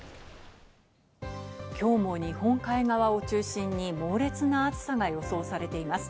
きょうも日本海側を中心に猛烈な暑さが予想されています。